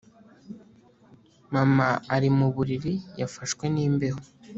Mama ari mu buriri Yafashwe nimbeho